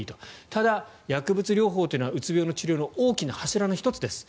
ただ、薬物療法というのはうつ病の治療の大きな柱の１つです。